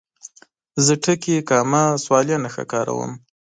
زه ټکي، کامه، سوالیه نښه کاروم.